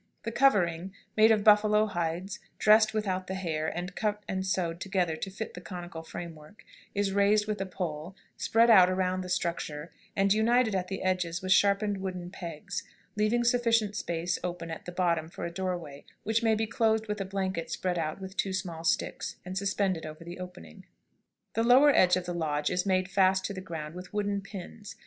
The covering, made of buffalo hides, dressed without the hair, and cut and sewed together to fit the conical frame, is raised with a pole, spread out around the structure, and united at the edges with sharpened wooden pegs, leaving sufficient space open at the bottom for a doorway, which may be closed with a blanket spread out with two small sticks, and suspended over the opening. The lower edge of the lodge is made fast to the ground with wooden pins.